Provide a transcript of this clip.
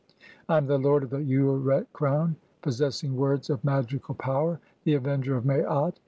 "I am the lord of the Ureret crown, (8) possessing words of "magical power, the avenger of Maat.